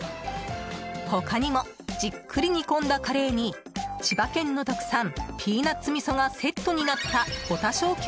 他にもじっくり煮込んだカレーに千葉県の特産ピーナッツみそがセットになった保田小給